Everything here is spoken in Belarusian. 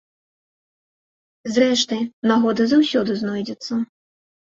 Зрэшты, нагода заўсёды знойдзецца.